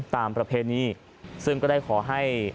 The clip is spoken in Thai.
ประเพณีซึ่งก็ได้ขอให้